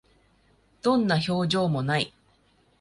どんな表情も無い